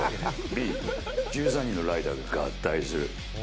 Ｂ、１３人のライダーが合体する。